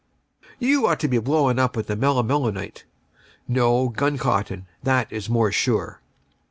"You ought to be blown up with the melimelonite." "No, gun cotton; that is more sure."